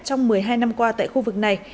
trong một mươi hai năm qua tại khu vực này